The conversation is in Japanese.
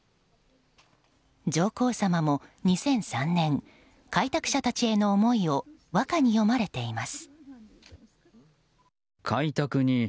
上皇さまも２００３年開拓者たちへの思いを和歌に詠まれています。